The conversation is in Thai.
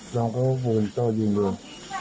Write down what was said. อ๋อจะยิงหัว